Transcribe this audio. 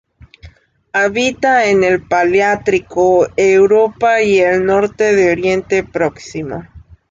Habita en el paleártico: Europa y el norte de Oriente Próximo.